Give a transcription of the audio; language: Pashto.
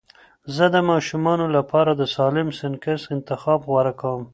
زه د ماشومانو لپاره د سالم سنکس انتخاب غوره کوم.